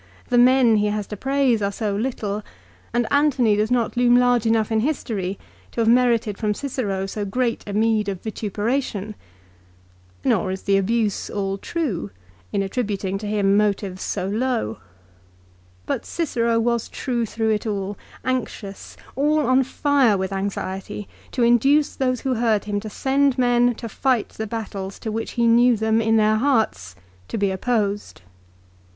The men he has to praise are so little; and Antony does not loom large enough in history to have merited from Cicero so great a meed of vituperation ! Nor is the abuse all true, in attributing to him motives so low. But Cicero was true through it all, anxious, all on fire with anxiety, to induce those who heard him to send men to fight the battles to which he knew them, in their hearts, to be opposed.